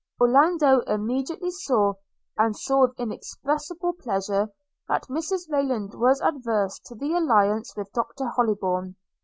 Orlando immediately saw, and saw with inexpressible pleasure, that Mrs Rayland was averse to the alliance with Dr Hollybourn.